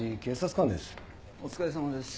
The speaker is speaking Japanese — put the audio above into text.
お疲れさまです。